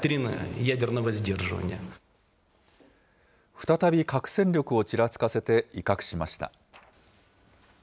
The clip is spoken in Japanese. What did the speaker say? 再び核戦力をちらつかせて威嚇しました。